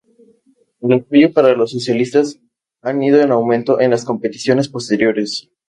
El apoyo para los socialistas han ido en aumento en las competiciones posteriores.